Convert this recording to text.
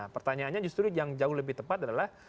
pertanyaannya justru yang jauh lebih tepat adalah